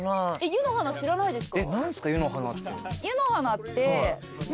湯の花知らないですか？